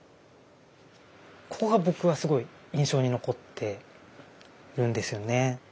ここが僕はすごい印象に残っているんですよね。